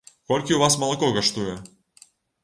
Колькі ў вас малако каштуе?